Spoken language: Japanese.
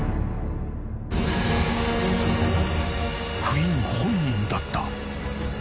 ［クイン本人だった］